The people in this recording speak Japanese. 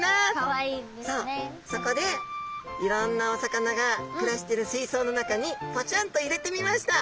そうそこでいろんなお魚が暮らしてる水槽の中にぽちゃんと入れてみました。